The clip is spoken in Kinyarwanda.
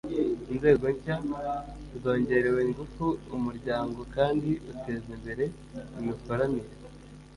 Inzego nshya zongerewe ingufu, Umuryango kandi uteza imbere imikoranire